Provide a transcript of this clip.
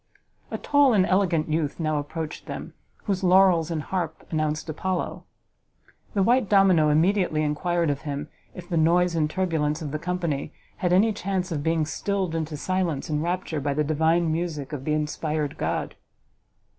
A tall and elegant youth now approached them, whose laurels and harp announced Apollo. The white domino immediately enquired of him if the noise and turbulence of the company had any chance of being stilled into silence and rapture by the divine music of the inspired god?